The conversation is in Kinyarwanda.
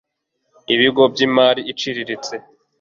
ibigo by imari iciriritse